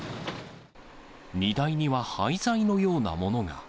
荷台には廃材のようなものが。